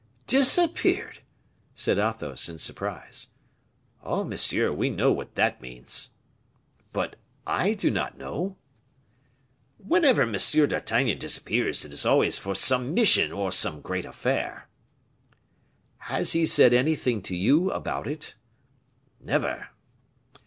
"Disappeared!" said Athos, in surprise. "Oh! monsieur, we know what that means." "But I do not know." "Whenever M. d'Artagnan disappears it is always for some mission or some great affair." "Has he said anything to you about it?" "Never."